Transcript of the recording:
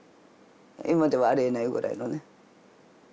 今ではありえないぐらいのね。